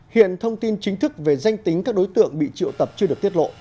hiện thông tin chính thức về danh tính các đối tượng bị triệu tập chưa được tiết lộ